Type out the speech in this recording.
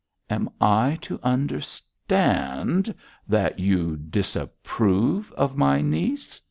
'Am I to understand that you disapprove of my niece?'